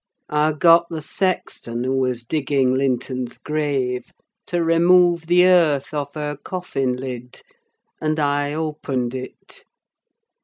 I got the sexton, who was digging Linton's grave, to remove the earth off her coffin lid, and I opened it.